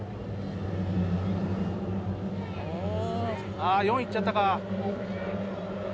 あ４いっちゃったか。